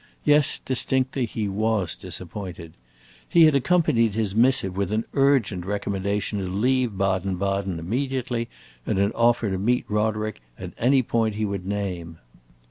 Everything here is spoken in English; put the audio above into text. Yes, distinctly, he was disappointed. He had accompanied his missive with an urgent recommendation to leave Baden Baden immediately, and an offer to meet Roderick at any point he would name.